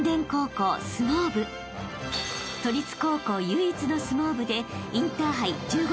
［都立高校唯一の相撲部で］